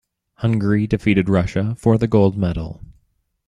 Hungary defeated Russia for the gold medal.